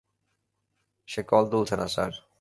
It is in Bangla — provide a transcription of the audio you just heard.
সে কল তুলছে না, স্যার।